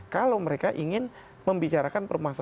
kalau mereka ingin membicarakan permasalahan